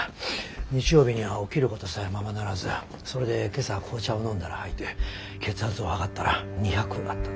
日曜日には起きることさえままならずそれで今朝紅茶を飲んだら吐いて血圧を測ったら２００あったと。